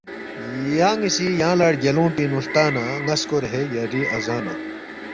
یانی سی یانگ لا ڑگیالونگ پینگنو ہلتانا، ناسکور ہے یاری اَزانہ